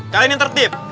kalian yang tertip